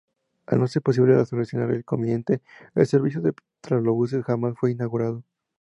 Al no se posible solucionar el inconveniente, el servicio de trolebuses jamás fue inaugurado.